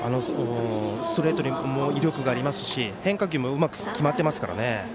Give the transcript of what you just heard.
ストレートにも威力がありますし変化球もうまく決まってますから。